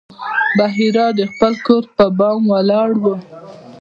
بحیرا د خپل کور پر بام ولاړ و.